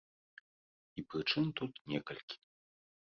І прычын тут некалькі.